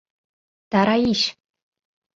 — Тараич!